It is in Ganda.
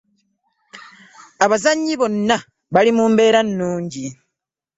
Abazannyi bonna bali mu mbeera nnungi.